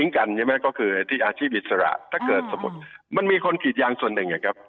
ยังไงก็คือที่อาชีพอิสระถ้าเกิดสมมุติมันมีคนกีดยางส่วนหนึ่งอย่างเงี้ยครับ